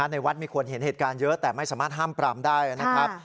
ในวัดมีคนเห็นเหตุการณ์เยอะแต่ไม่สามารถห้ามปรามได้นะครับ